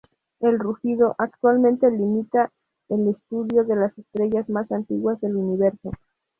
El "rugido" actualmente limita el estudio de las estrellas más antiguas del universo.